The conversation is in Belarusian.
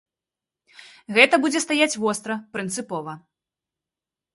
Гэта будзе стаяць востра, прынцыпова.